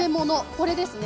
これですね。